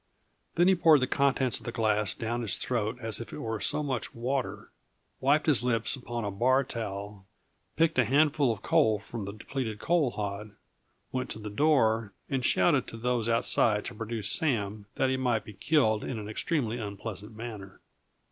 Then he poured the contents of the glass down his throat as if it were so much water, wiped his lips upon a bar towel, picked a handful of coal from the depleted coal hod, went to the door, and shouted to those outside to produce Sam, that he might be killed in an extremely unpleasant manner.